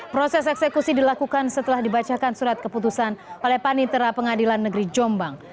proses eksekusi dilakukan setelah dibacakan surat keputusan oleh panitera pengadilan negeri jombang